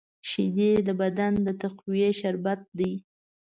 شیدې د بدن د تقویې شربت دی